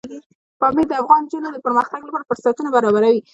پامیر د افغان نجونو د پرمختګ لپاره فرصتونه برابروي.